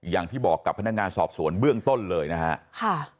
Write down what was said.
อย่างที่บอกกับพนักงานสอบสวนเบื้องต้นเลยนะฮะค่ะ